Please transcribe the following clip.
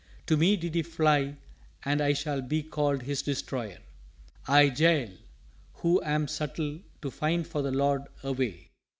"To me did he fly and I shall be called his destroyer I, Jael, who am subtle to find for the Lord a way!"